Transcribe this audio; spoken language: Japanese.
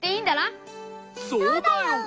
そうだよ！